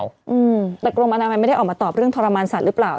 อืมแต่กรมอนามัยไม่ได้ออกมาตอบเรื่องทรมานสัตว์หรือเปล่า